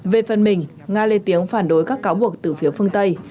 về phần mình nga lên tiếng phản đối các cáo buộc từ phía phương tây